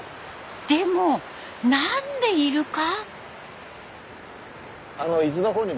でも何でイルカ？